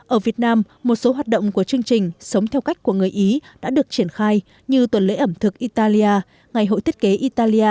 ở việt nam một số hoạt động của chương trình sống theo cách của người ý đã được triển khai như tuần lễ ẩm thực italia ngày hội thiết kế italia hai nghìn một mươi chín